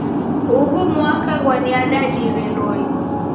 Ughu mwaka gwaniadadire loli.